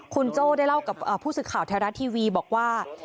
คุณโจ้ได้เล่ากับผู้ศึกข่าวแถวร้านทีวีบอกว่า